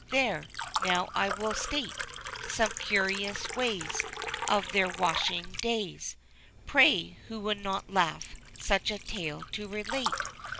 There ! now I will state Some curious ways Of their washing clays. Pray who would not laugh such a tale to relate